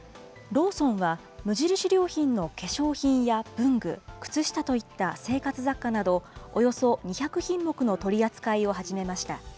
ローソンは、無印良品の化粧品や文具、靴下といった生活雑貨など、およそ２００品目の取り扱いを始めました。